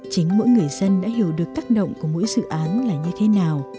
chính mỗi người dân đã hiểu được tác động của mỗi dự án là như thế nào